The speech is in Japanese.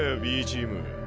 Ｂチーム。